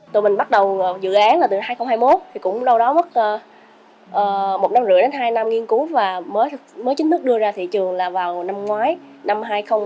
tụi mình bắt đầu dự án là từ hai nghìn hai mươi một thì cũng đâu đó mất một năm rưỡi đến hai năm nghiên cứu và mới chính thức đưa ra thị trường là vào năm ngoái năm hai nghìn hai mươi ba